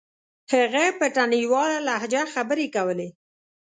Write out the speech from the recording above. هغه په تڼيواله لهجه خبرې کولې.